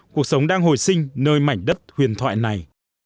cuộc sống đang hồi sinh nơi mảnh đất huyền thoại này